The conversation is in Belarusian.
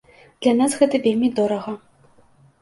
Для нас гэта вельмі дорага.